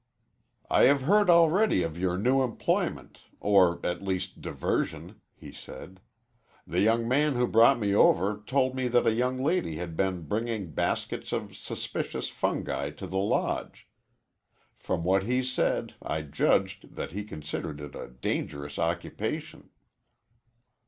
"I have heard already of your new employment, or, at least, diversion," he said. "The young man who brought me over told me that a young lady had been bringing baskets of suspicious fungi to the Lodge. From what he said I judged that he considered it a dangerous occupation."